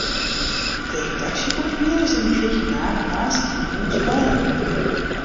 De redaksje komt ienris yn de fjirtjin dagen woansdeitejûns byinoar.